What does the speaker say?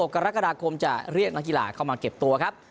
กรกฎาคมจะเรียกนักกีฬาเข้ามาเก็บตัวครับ